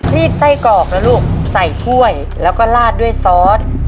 ไส้กรอกนะลูกใส่ถ้วยแล้วก็ลาดด้วยซอส